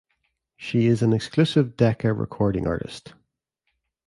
She is an exclusive Decca recording artist.